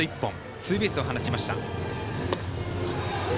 ツーベースを放ちました。